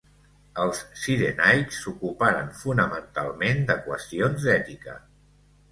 Els cirenaics s'ocuparen fonamentalment de qüestions d'ètica.